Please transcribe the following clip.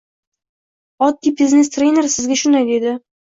Oddiy biznes- trener sizga shunday deydi: